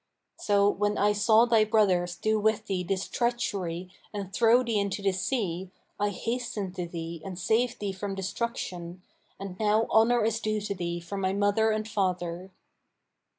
'[FN#530] So, when I saw thy brothers do with thee this treachery and throw thee into the sea, I hastened to thee and saved thee from destruction, and now honour is due to thee from my mother and my father.'